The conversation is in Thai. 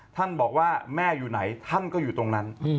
ท่านบอกว่าแม่อยู่ไหนท่านก็อยู่ตรงนั้น